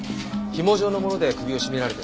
ひも状のもので首を絞められたようです。